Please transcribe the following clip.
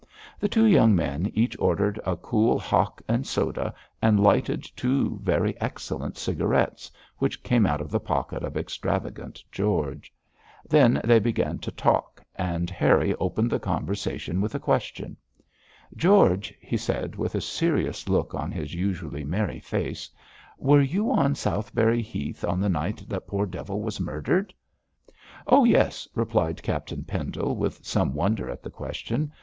The two young men each ordered a cool hock and soda and lighted two very excellent cigarettes which came out of the pocket of extravagant George. Then they began to talk, and Harry opened the conversation with a question. 'George,' he said, with a serious look on his usually merry face, 'were you on Southberry Heath on the night that poor devil was murdered?' 'Oh, yes,' replied Captain Pendle, with some wonder at the question.